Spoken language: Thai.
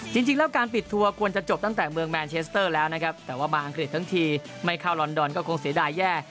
จริงแล้วการปิดทัวร์ควรจะจบตั้งแต่เมืองแมนเชสเตอร์แล้วนะครับแต่ว่ามาอังกฤษทั้งทีไม่เข้าลอนดอนก็คงเสียดายแย่